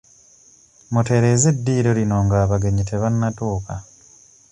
Mutereeze eddiiro lino ng'abagenyi tebannatuuka